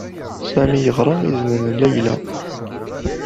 Sami yeɣṛa izen n Layla.